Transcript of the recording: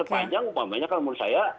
sepanjang umumnya kalau menurut saya